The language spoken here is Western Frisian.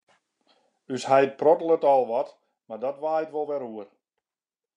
Us heit prottelet al wat, mar dat waait wol wer oer.